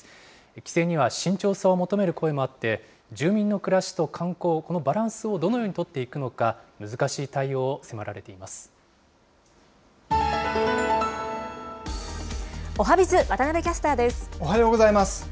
規制には慎重さを求める声もあって、住民の暮らしと観光、このバランスをどのように取っていくのおはＢｉｚ、おはようございます。